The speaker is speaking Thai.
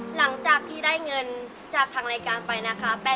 หลังจากที่ได้เงินจากทางรายการไปนะคะ